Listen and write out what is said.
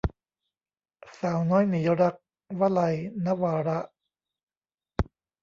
สาวน้อยหนีรัก - วลัย นวาระ